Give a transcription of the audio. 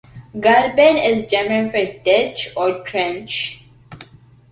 "Graben" is German for "ditch" or "trench".